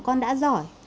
con đã giỏi